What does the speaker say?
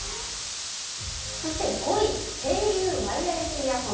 ５位、声優ワイヤレスイヤホン。